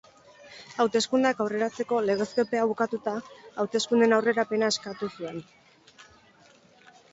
Hauteskundeak aurreratzeko legezko epea bukatuta, hauteskundeen aurrerapena eskatu zuen.